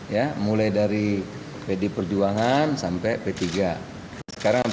ya mulai dari pd perjuangan sampai p tiga